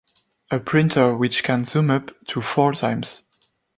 A printer which can zoom up to four times